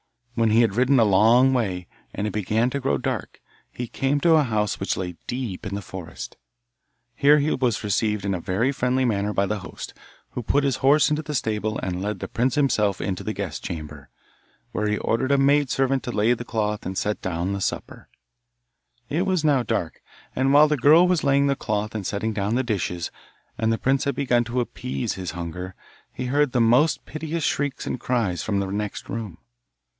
When he had ridden a long way, and it began to grow dark, he came to a house which lay deep in the forest. Here he was received in a very friendly manner by the host, who put his horse into the stable, and led the prince himself into the guest chamber, where he ordered a maid servant to lay the cloth and set down the supper. It was now dark, and while the girl was laying the cloth and setting down the dishes, and the prince had begun to appease his hunger, he heard the most piteous shrieks and cries from the next room.